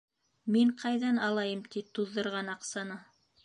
Мин ҡайҙан алайым ти туҙҙырған аҡсаны?